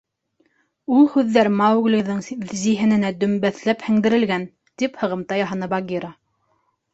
— Ул һүҙҙәр Мауглиҙың зиһененә дөмбәҫләп һеңдерелгән, — тип һығымта яһаны Багира.